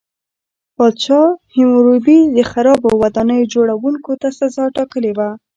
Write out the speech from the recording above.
پادشاه هیمورابي د خرابو ودانیو جوړوونکو ته سزا ټاکلې وه.